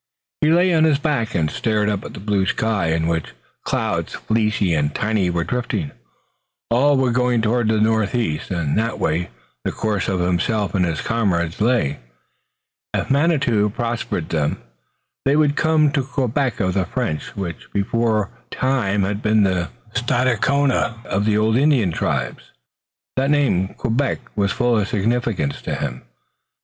He lay on his back and stared up at the blue sky, in which clouds fleecy and tiny were drifting. All were going toward the northeast and that way the course of himself and his comrades lay. If Manitou prospered them, they would come to the Quebec of the French, which beforetime had been the Stadacona of old Indian tribes. That name, Quebec, was full of significance to him.